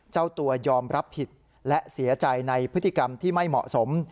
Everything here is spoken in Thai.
เจ้าตัวยอมรับผิดและเสียใจในพฤติกรรมที่ไม่เหมาะสม